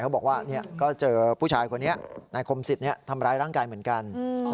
เขาบอกว่าก็เจอผู้ชายคนนี้นายคมสิทธิ์ทำร้ายร่างกายเหมือนกัน